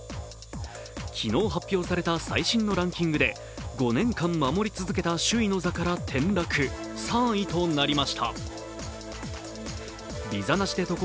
昨日発表された最新のランキングで５年間守り続けた首位の座から転落３位となりました。